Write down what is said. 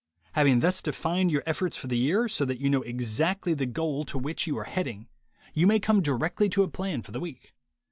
Having thus defined your efforts for the year, so that you know exactly the goal to which you 124 THE WAY TO WILL POWER are heading, you may come directly to a plan for the week.